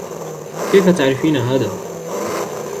كيف تعرفين هذا ؟